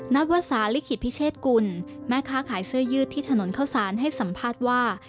วสาลิขิตพิเชษกุลแม่ค้าขายเสื้อยืดที่ถนนเข้าสารให้สัมภาษณ์ว่า